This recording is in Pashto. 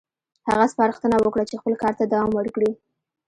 هغه سپارښتنه وکړه چې خپل کار ته دوام ورکړي.